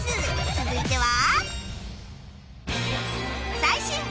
続いては